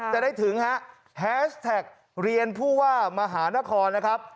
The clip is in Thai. จะได้ถึงฮะแฮชแท็กเรียนผู้ว่ามหานครนะครับ